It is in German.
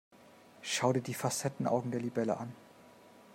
Schau dir die Facettenaugen der Libelle an.